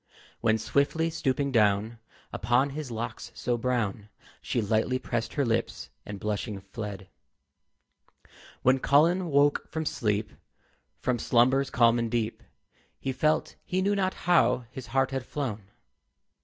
When swiftly stooping down Upon his locks so brown She lightly pressed her lips, and blushing fled. When Colin woke from sleep, From slumbers calm and deep, He felt he knew not how his heart had flown.